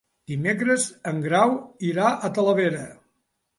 Dimecres en Grau irà a Talavera.